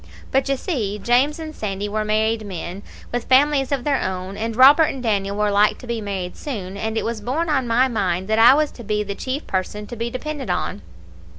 But, you see, James and Sandy were married men, with families of their own, and Robert and Daniel were like to be married soon, and it was borne on my mind that I was to be the chief person to be depended on.